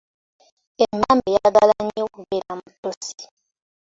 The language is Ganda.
Emmamba eyagala nnyo okubeera mu ttosi.